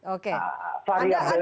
oke anda melihat